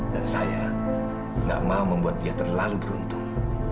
dan saya gak mau membuat dia terlalu beruntung